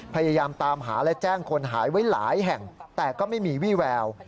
พยายามตามหาและแจ้งคนหายไว้หลายแห่งแต่ก็ไม่มีวี่แวว